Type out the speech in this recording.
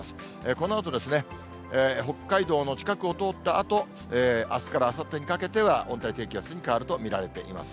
このあとですね、北海道の近くを通ったあと、あすからあさってにかけては、温帯低気圧に変わると見られています。